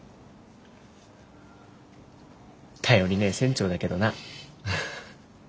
頼りねえ船長だけどな。